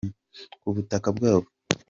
ku butaka bwabo.